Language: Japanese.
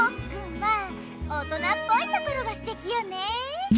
はぁ大人っぽいところがすてきよね！